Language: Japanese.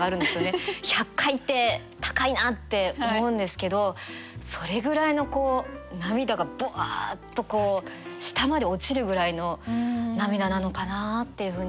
１００階って高いなって思うんですけどそれぐらいの涙がぶわっと下まで落ちるぐらいの涙なのかなっていうふうに想像しました。